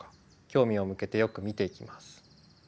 興味を向けてよく見ていきます。